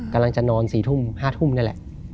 กำลังจะนน๔ถุง๕นั่นแหละ